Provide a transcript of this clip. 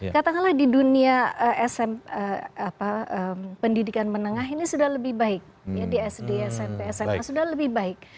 katakanlah di dunia pendidikan menengah ini sudah lebih baik di sd smp sma sudah lebih baik